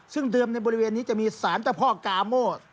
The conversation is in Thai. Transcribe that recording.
ซึ่งเดิมในบริเวณนี้จะมีสารเจ้าพ่อกาโม